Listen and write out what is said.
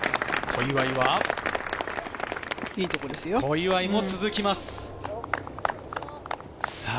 小祝も続きます。